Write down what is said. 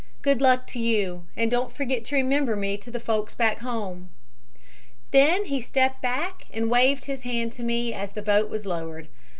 'Good luck to you, and don't forget to remember me to the folks back home.' Then he stepped back and waved his hand to me as the boat was lowered.